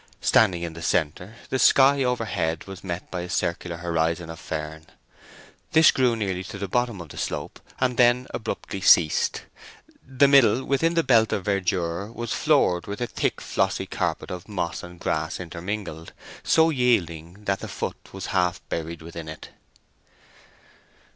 Standing in the centre, the sky overhead was met by a circular horizon of fern: this grew nearly to the bottom of the slope and then abruptly ceased. The middle within the belt of verdure was floored with a thick flossy carpet of moss and grass intermingled, so yielding that the foot was half buried within it.